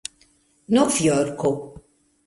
novjorko